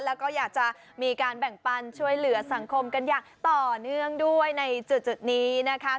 แล้วก็อยากจะมีการแบ่งปันช่วยเหลือสังคมกันอย่างต่อเนื่องด้วยในจุดนี้นะคะ